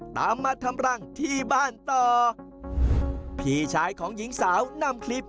ตามมาทำรังที่บ้านต่อพี่ชายของหญิงสาวนำคลิป